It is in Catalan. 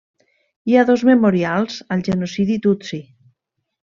Hi ha dos memorials al genocidi tutsi.